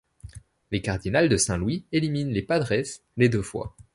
Les Cardinals de Saint-Louis éliminent les Padres les deux fois.